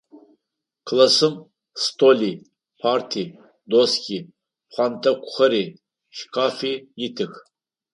Классым столи, парти, доски, пхъэнтӏэкӏухэри, шкафи итых.